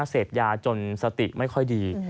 เสพยาจนสติไม่ค่อยดี